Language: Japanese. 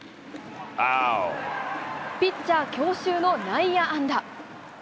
ピッチャー強襲の内野安打。